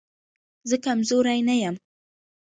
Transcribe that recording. زه کمزوری نه يم